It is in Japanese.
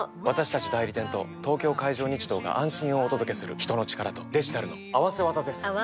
私たち代理店と東京海上日動が安心をお届けする人の力とデジタルの合わせ技です！